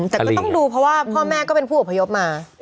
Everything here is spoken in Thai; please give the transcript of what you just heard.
แต่ก็ต้องดูเพราะว่าพ่อแม่ก็เป็นผู้อพยพมา